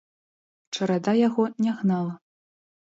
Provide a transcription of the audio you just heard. Чарада яго не гнала.